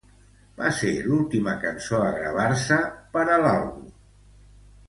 Va ser l'última cançó a gravar-se per a l'àlbum.